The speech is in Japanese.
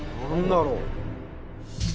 何だろう？